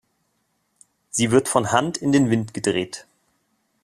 Sie wird von Hand in den Wind gedreht.